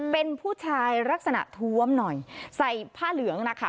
เป็นผู้ชายลักษณะท้วมหน่อยใส่ผ้าเหลืองนะคะ